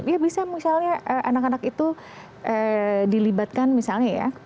ya bisa misalnya anak anak itu dilibatkan misalnya ya